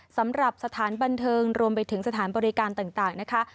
สำหรับสถานบันเทิงรวมไปถึงสถานบริการต่างนะคะ